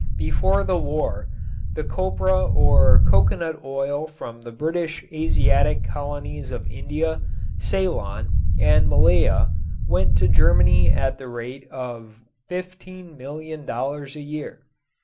Before the war the copra or coconut oil from the British Asiatic colonies of India, Ceylon and Malaya went to Germany at the rate of $15,000,000 a year.